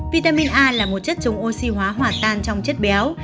vitamin a là một chất chống oxy hóa hòa tan trong chất béo